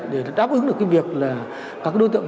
để đáp ứng được cái việc là các đối tượng